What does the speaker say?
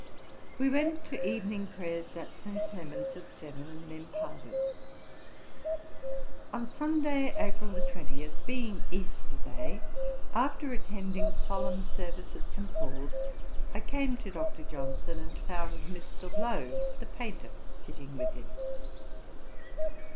We went to evening prayers at St. Clement's, at seven, and then parted. On Sunday, April 20, being Easter day, after attending solemn service at St. Paul's, I came to Dr. Johnson, and found Mr. Lowe, the painter, sitting with him.